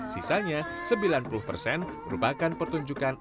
sisanya sembilan puluh persen merupakan pertunjukan